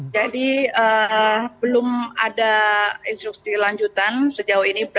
jadi belum ada instruksi lanjutan sejauh ini